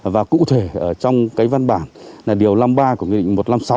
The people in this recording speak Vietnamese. và cụ thể ở trong cái văn bản là điều năm mươi ba của nghị định một trăm năm mươi sáu